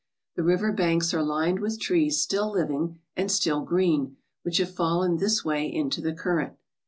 The river banks are lined with trees still living and still green, which have fallen this way into the current.